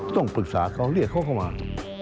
ต้องปรึกษาเขาเรียกเขาเข้ามา